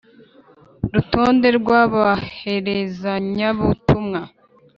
Rutonde rw aboherezanyabutumwa